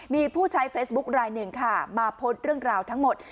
มีผู้ใช้เฟซบุ๊คลายหนึ่งค่ะมาโพสต์เรื่องราวทั้งหมด